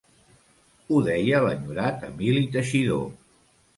Ho deia l'enyorat Emili Teixidor.